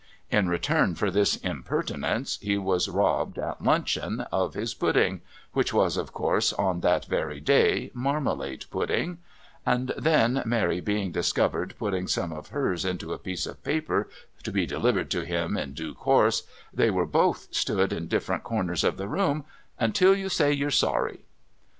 In return for this impertinence he was robbed, at luncheon, of his pudding which was, of course, on that very day, marmalade pudding and then, Mary being discovered putting some of hers into a piece of paper, to be delivered to him in due course, they were both stood in different corners of the room "until you say you're sorry."